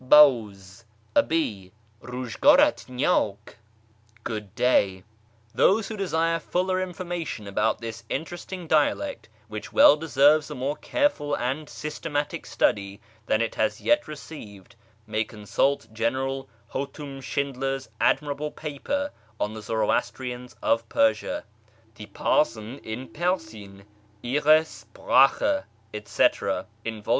Bawz, a bee. S&zhgdrat 7iydk, good day. Those who desire fuller information about this interesting ialect, which well deserves a more careful and systematic tudy than it has yet received, may consult General Houtum chindler's admirable paper on the Zoroastrians of Persia Die Parscn in Persicn, Hire Sprache, etc.) in vol.